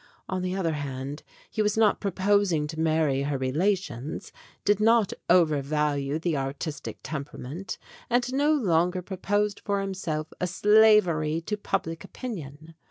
On the other hand, he was not proposing to marry her relations, did not overvalue the artistic temperament, and no longer proposed for himself a slavery to pub lic opinion.